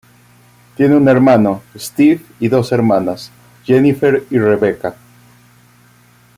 Tiene un hermano, Steve, y dos hermanas, Jennifer y Rebecca.